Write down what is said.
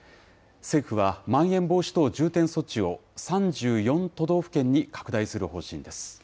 政府は、まん延防止等重点措置を３４都道府県に拡大する方針です。